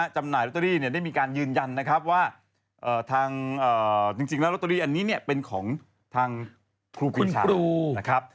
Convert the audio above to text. จำหน่ายรอตเตอรี่ได้มีการยืนยันว่าจริงแล้วรอตเตอรี่อันนี้เป็นของทางครูปีชาว